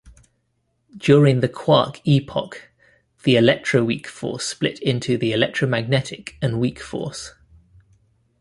During the quark epoch, the electroweak force split into the electromagnetic and weak force.